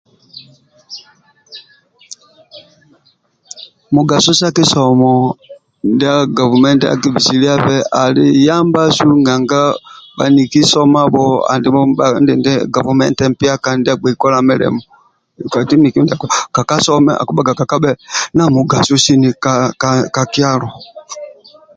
Mugaso sa kisomo ndia gavumenti akibisiliabe ali yambasu nanga bhaniki somabho andibho gavumenti endindi ndia agbei kola mulimo miki kekasome akibhaga kekabhe na mugso sini ka kyalo